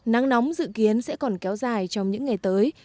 nắng nóng dự kiến sẽ còn kéo dài trong những ngày tới